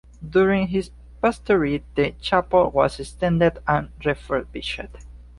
During his pastorate the chapel was extended and refurbished.